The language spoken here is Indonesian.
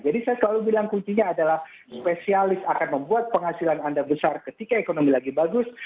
jadi saya selalu bilang kuncinya adalah spesialis akan membuat penghasilan anda besar ketika ekonomi lagi bagus